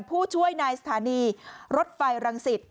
ผู้ช่วยในสถานีรถไฟรังสิต